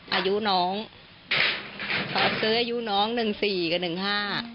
อายุน้องเขาซื้ออายุน้อง๑๔กับ๑๕